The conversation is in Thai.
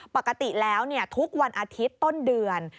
ปกติแล้วทุกวันอาทิตย์ต้นเดือน